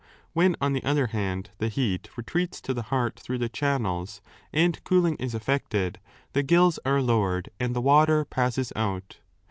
When, on the other hand, the heat retreats to the heart through the channels and cooling is efiected, the gills are lowered and the water passes out.